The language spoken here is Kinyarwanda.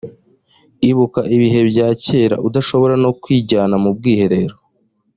ibuka ibihe bya kera udashobora no kwijyana mu bwiherero?,